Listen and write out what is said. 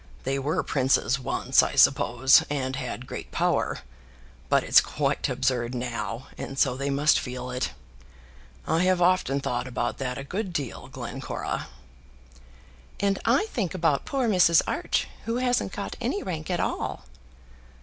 They were princes once, I suppose, and had great power. But it's quite absurd now, and so they must feel it. I have often thought about that a good deal, Glencora." "And I think about poor Mrs. Arch, who hasn't got any rank at all."